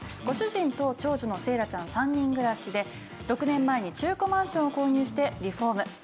ご主人と長女の聖礼ちゃんの３人暮らしで６年前に中古マンションを購入してリフォーム。